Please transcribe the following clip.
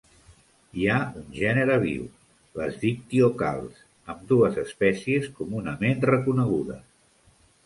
Hi ha un gènere viu, les dictiocals, amb dues espècies comunament reconegudes.